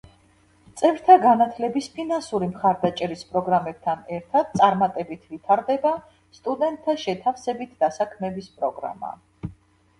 წევრთა განათლების ფინანსური მხარდაჭერის პროგრამებთან ერთად, წარმატებით ვითარდება სტუდენტთა შეთავსებით დასაქმების პროგრამა.